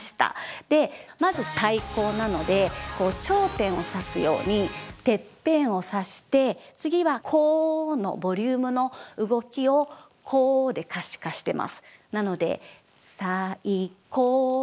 でまず「最高」なのでこう頂点を指すようにてっぺんを指して次は「こう」のボリュームの動きを「こう」で可視化してます。